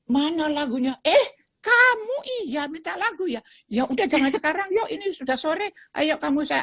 mana lagunya eh kamu iya minta lagu ya ya udah jangan sekarang yuk ini sudah sore ayo kamu saya